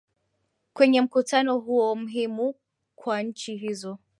kwenye mkutano huo mhimu kwa nchi hizo